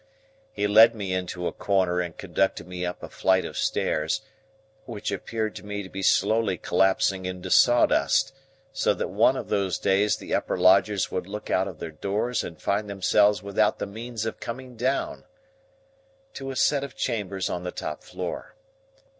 He led me into a corner and conducted me up a flight of stairs,—which appeared to me to be slowly collapsing into sawdust, so that one of those days the upper lodgers would look out at their doors and find themselves without the means of coming down,—to a set of chambers on the top floor.